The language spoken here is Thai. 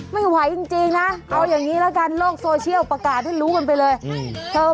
ไม่ไหวจริงนะเอาอย่างนี้ละกันโลกโซเชียลประกาศให้รู้กันไปเลย